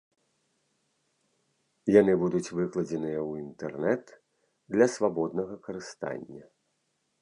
Яны будуць выкладзеныя ў інтэрнэт для свабоднага карыстання.